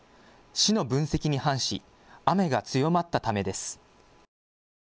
市の分析に反し雨が強まったためです。